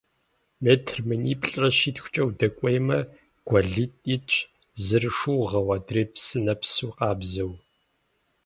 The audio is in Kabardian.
Метр миниплӏрэ щитхукӀэ удэкӀуеймэ, гуэлитӀ итщ, зыр шыугъэу, адрейр псынэпсу къабзэу.